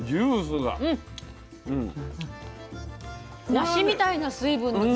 梨みたいな水分の量。